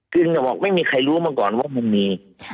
ก็จะบอกว่าไม่มีใครรู้มาก่อนว่าผมมี